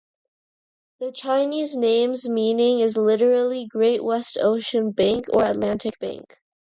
The Chinese name's meaning is literally Great West Ocean Bank or Atlantic Bank.